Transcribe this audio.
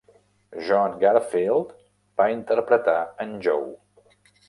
John Garfield va interpretar en Joe.